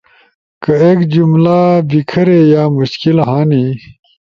کہ ایک جملہ بیکھری یا مشکل ہنی،